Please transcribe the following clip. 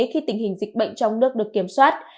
khi tình hình dịch bệnh trong nước được kiểm soát